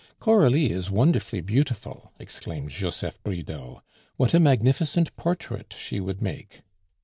"Coralie is wonderfully beautiful," exclaimed Joseph Bridau. "What a magnificent portrait she would make!"